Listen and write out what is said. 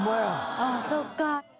ああそっか。